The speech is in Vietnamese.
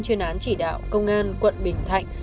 thuyên án chỉ đạo công an quận bình thạnh